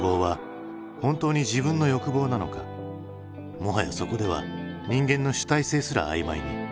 もはやそこでは人間の主体性すら曖昧に。